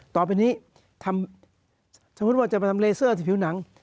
ต่อไปนี้ถ้าพูดว่าจะมาทำเลเซอร์ที่ผิวหนัง